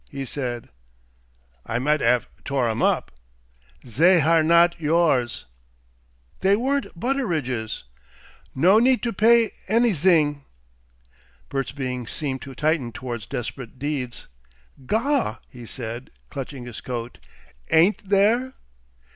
he said. "I might 'ave tore 'em up." "Zey are not yours!" "They weren't Butteridge's!" "No need to pay anyzing." Bert's being seemed to tighten towards desperate deeds. "Gaw!" he said, clutching his coat, "AIN'T there?"